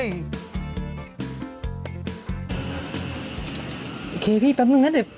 โอเคพี่แป๊บนึงนะเดี๋ยว